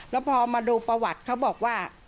แล้วพอมาดูประวัติเขาบอกว่า